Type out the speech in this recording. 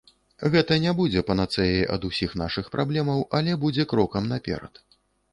Гэта не будзе панацэяй ад усіх нашых праблемаў, але будзе крокам наперад.